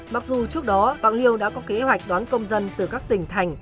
mặc dù trước đó bạc liêu đã có kế hoạch đón công dân từ các tỉnh thành